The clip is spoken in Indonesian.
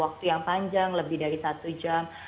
waktu yang panjang lebih dari satu jam